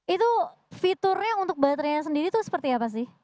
itu fiturnya untuk baterainya sendiri itu seperti apa sih